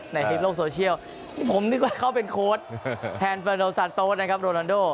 ในโลกโซเชียลผมนึกว่าเขาเป็นโค้ดแทนเฟอร์โนซานโต๊นะครับโรนันโด